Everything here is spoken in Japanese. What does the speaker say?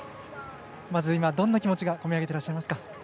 まず今、どんな気持ちが込み上げてらっしゃいますか。